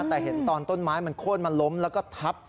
แต่เห็นตอนต้นไม้มันโค้นมาล้มแล้วก็ทับ